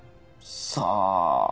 さあ。